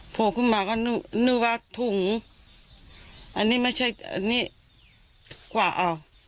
พ่อขึ้นมาก็นึกว่าถุงอันนี้กว่าอ่าว